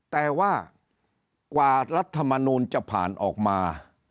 แต่ว่ากว่ารัฐมนูลจะผ่านออกมา